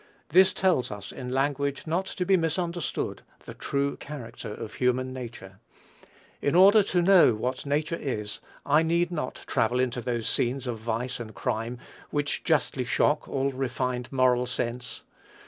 This tells us in language not to be misunderstood the true character of human nature. In order to know what nature is, I need not travel into those scenes of vice and crime which justly shock all refined moral sense.